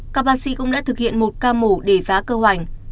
các bác sĩ cũng đã thực hiện một ca mổ để phá cơ hoành